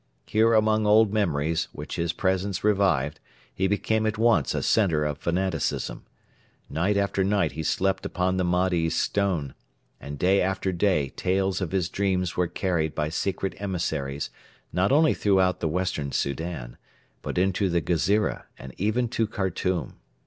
Here among old memories which his presence revived he became at once a centre of fanaticism. Night after night he slept upon the Mahdi's stone; and day after day tales of his dreams were carried by secret emissaries not only throughout the Western Soudan, but into the Ghezira and even to Khartoum.